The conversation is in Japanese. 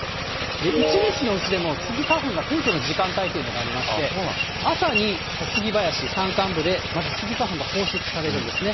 一日のうちでもスギ花粉がピークの時間帯というのがありまして、朝にスギ林、山間部でまずスギ花粉が放出されるんですね。